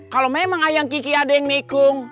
kalau memang ayam kiki ada yang nikung